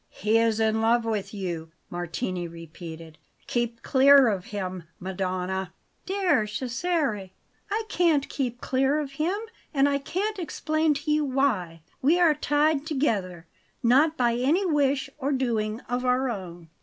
"He is in love with you," Martini repeated. "Keep clear of him, Madonna!" "Dear Cesare, I can't keep clear of him; and I can't explain to you why. We are tied together not by any wish or doing of our own."